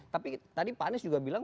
tapi tadi pak anies juga bilang